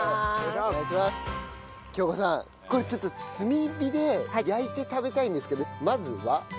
これちょっと炭火で焼いて食べたいんですけどまずは。